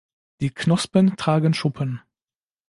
Die Knospen tragen Schuppen.